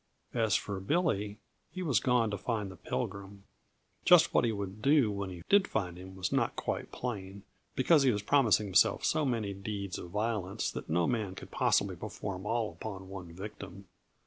As for Billy, he was gone to find the Pilgrim. Just what he would do when he did find him was not quite plain, because he was promising himself so many deeds of violence that no man could possibly perform them all upon one victim.